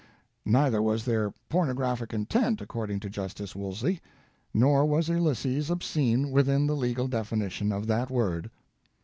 Neither was there "pornographic intent," according to justice Woolsey, nor was Ulysses obscene within the legal definition of that word.